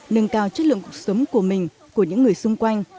nâng cao chất lượng cuộc sống của mình của những người xung quanh